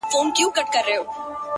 ستا خــوله كــي ټــپه اشــنا”